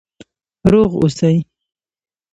روغ اوسئ؟